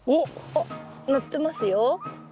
あっなってますよ。